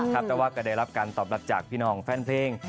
แต่ว่าก็ได้รับการตอบรับจากพี่น้องแฟนเพลง